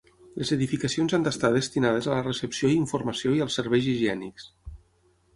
Les edificacions han d'estar destinades a la recepció i informació i als serveis higiènics.